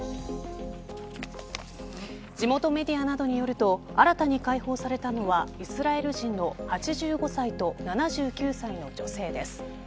地元メディアなどによると新たに解放されたのはイスラエル人の８５歳と７９歳の女性です。